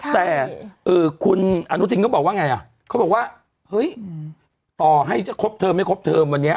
แต่คุณอนุทินก็บอกว่าไงอ่ะเขาบอกว่าเฮ้ยต่อให้จะครบเทอมไม่ครบเทอมวันนี้